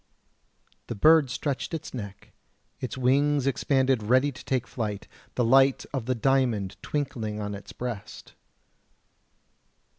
The bird stretched its neck, its wings expanded ready to take flight, the light of the diamond twinkling on its breast.